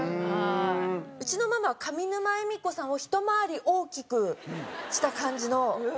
うちのママは上沼恵美子さんをひと回り大きくした感じのママで。